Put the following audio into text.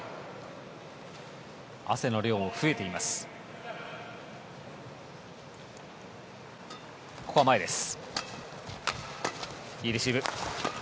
汗の量も増えています。